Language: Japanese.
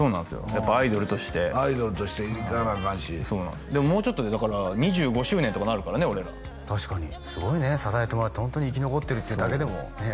やっぱアイドルとしてアイドルとしていかなあかんしそうなんですでももうちょっとでだから２５周年とかなるからね俺ら確かにすごいね支えてもらってホントに生き残ってるってだけでもねえ